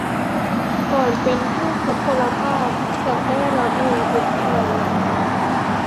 ก่อนเป็นผู้ทุพพลภาพ จะได้รับเงินทดแทน